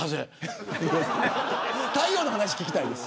太陽の話、聞きたいです。